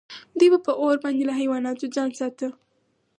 دوی به په اور باندې له حیواناتو ځان ساته.